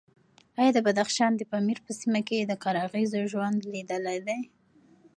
ایا د بدخشان د پامیر په سیمه کې د قرغیزو ژوند لیدلی دی؟